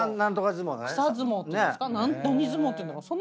何相撲っていうんだか。